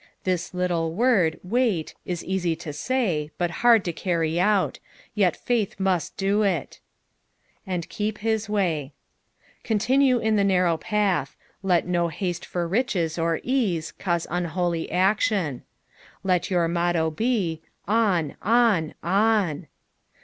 This little word " wait" is easy to say, but hard to carry out, yet faith must do it. " And te^ hit may." Con tinue in the narrow path ; let no haste for riches or ease cause unholy action. Let your motto be, " On, on, on."